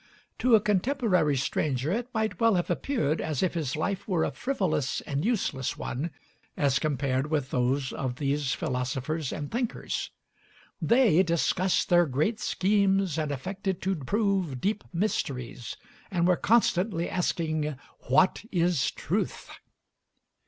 To a contemporary stranger it might well have appeared as if his life were a frivolous and useless one as compared with those of these philosophers and thinkers. They discussed their great schemes and affected to prove deep mysteries, and were constantly asking, "What is truth?"